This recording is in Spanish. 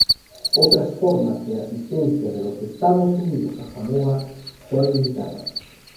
Otras formas de asistencia de los Estados Unidos a Samoa son limitadas.